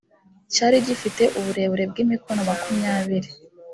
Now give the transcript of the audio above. cyari gifite uburebure bw’imikono makumyabiri